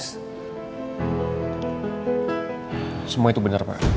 semua itu benar pak